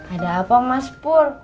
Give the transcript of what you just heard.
ada apa mas put